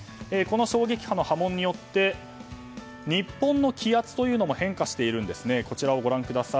この衝撃波の波紋によって日本の気圧というのも変化しているんですね。